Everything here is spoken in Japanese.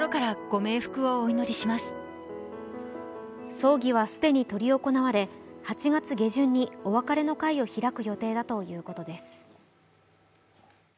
葬儀は既に執り行われ８月下旬にお別れの会を開く予定だということです。